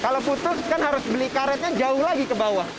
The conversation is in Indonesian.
kalau putus kan harus beli karetnya jauh lagi ke bawah